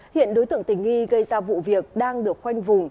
hiện đối tượng tình nghi gây ra vụ việc đang được khoanh vùng